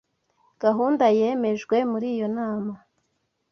Gahunda yemejwe muri iyo nama